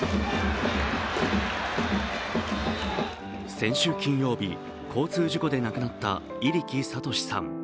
先週金曜日、交通事故で亡くなった入来智さん。